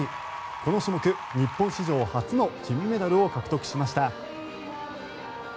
この種目日本史上初の金メダルを獲得しました。